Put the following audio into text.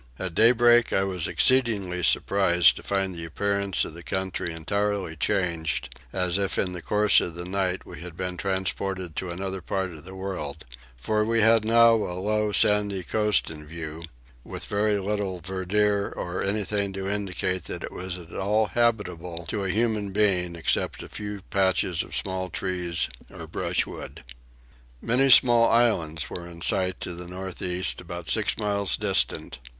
At daybreak I was exceedingly surprised to find the appearance of the country entirely changed, as if in the course of the night we had been transported to another part of the world; for we had now a low sandy coast in view, with very little verdure or anything to indicate that it was at all habitable to a human being except a few patches of small trees or brushwood. Many small islands were in sight to the north east about six miles distant.